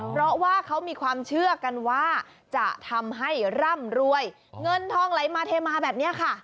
เพราะว่าเขามีความเชื่อกันว่าจะทำให้ร่ำรวยเงินทองไหลมาเทมาแบบนี้ค่ะ